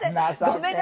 ごめん。